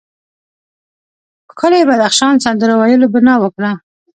ښکلي بدخشان سندرو ویلو بنا وکړه.